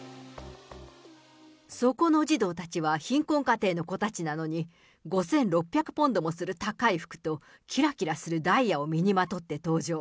そこの児童たちは、貧困家庭の子たちなのに、５６００ポンドもする高い服と、きらきらするダイヤを身にまとって登場。